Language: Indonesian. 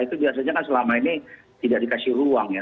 itu biasanya kan selama ini tidak dikasih ruang ya